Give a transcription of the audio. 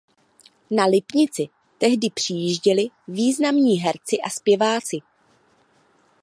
Na Lipnici tehdy přijížděli významní herci a zpěváci.